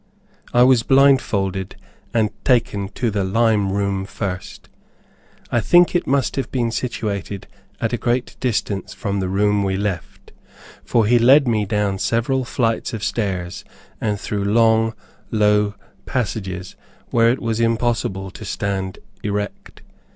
I was blindfolded, and taken to the lime room first. I think it must have been situated at a great distance from the room we left, for he led me down several flights of stairs, and through long, low passages, where it was impossible to stand erect.